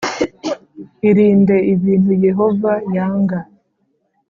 Irinde ibintu yehova yanga